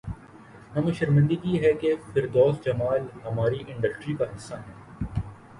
ہمیں شرمندگی ہے کہ فردوس جمال ہماری انڈسٹری کا حصہ ہیں